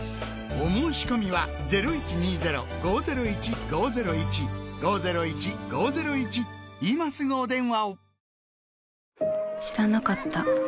お申込みは今すぐお電話を！